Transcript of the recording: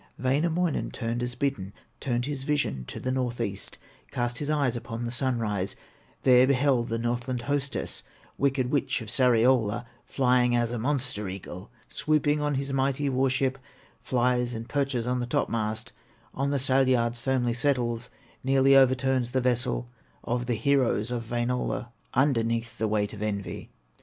Wainamoinen turned as bidden, Turned his vision to the north east, Cast his eyes upon the sunrise, There beheld the Northland hostess, Wicked witch of Sariola, Flying as a monster eagle, Swooping on his mighty war ship; Flies and perches on the topmast, On the sail yards firmly settles; Nearly overturns the vessel Of the heroes of Wainola, Underneath the weight of envy.